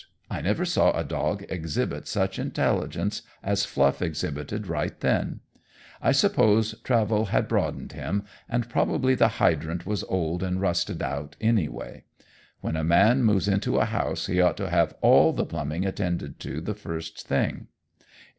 I never saw a dog exhibit such intelligence as Fluff exhibited right then. I suppose travel had broadened him, and probably the hydrant was old and rusted out, anyway. When a man moves into a house he ought to have all the plumbing attended to the first thing.